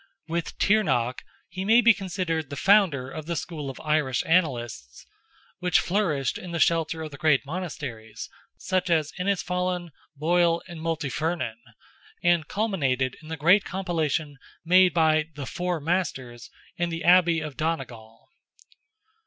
With Tigernach, he may be considered the founder of the school of Irish Annalists, which flourished in the shelter of the great monasteries, such as Innisfallen, Boyle and Multifernan; and culminated in the great compilation made by "the Four Masters" in the Abbey of Donegal.